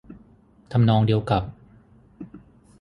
ทำนองเดียวกับ